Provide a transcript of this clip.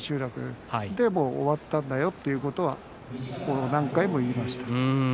千秋楽で終わったんだよという言葉を何回も言いました。